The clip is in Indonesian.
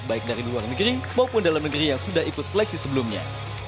baik dari luar negeri maupun dalam negeri yang sudah ikut seleksi sebelumnya